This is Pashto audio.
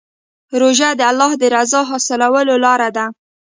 روژه د الله د رضا حاصلولو لاره ده.